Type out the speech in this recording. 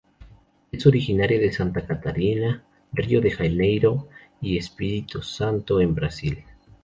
Es originaria de Santa Catarina, Río de Janeiro y Espírito Santo en Brasil.